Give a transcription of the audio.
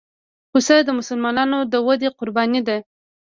پسه د مسلمانانو دودي قرباني ده.